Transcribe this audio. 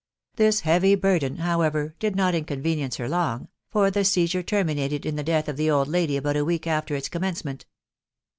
This heavy burden, however, did not inconvenience her long, for the seizure terminated in the death of the old lady about a, week after its commence ment.